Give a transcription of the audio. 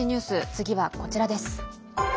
次はこちらです。